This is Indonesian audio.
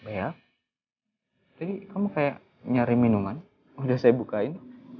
bea tadi kamu kayak nyari minuman udah saya bukain